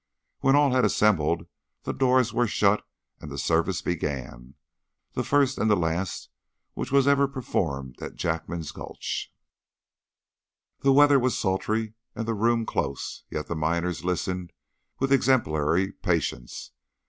When all had assembled, the doors were shut, and the service began the first and the last which was ever performed at Jackman's Gulch. The weather was sultry and the room close, yet the miners listened with exemplary patience.